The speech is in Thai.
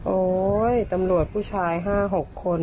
โอ๊ยตำรวจผู้ชาย๕๖คน